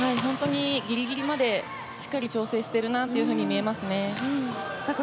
ギリギリまでしっかり調整しているなと見えますね。